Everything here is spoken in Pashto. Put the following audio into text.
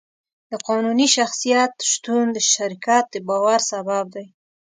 د قانوني شخصیت شتون د شرکت د باور سبب دی.